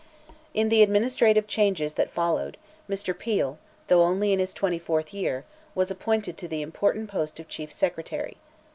In the administrative changes that followed, Mr. Peel, though only in his twenty fourth year, was appointed to the important post of Chief Secretary.